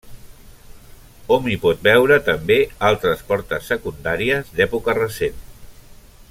Hom hi pot veure també altres portes secundàries d'època recent.